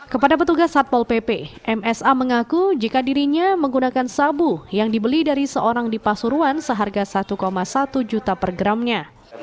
kepada petugas satpol pp msa mengaku jika dirinya menggunakan sabu yang dibeli dari seorang di pasuruan seharga satu satu juta per gramnya